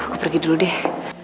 aku pergi dulu deh